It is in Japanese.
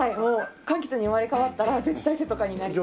柑橘に生まれ変わったら絶対せとかになりたい。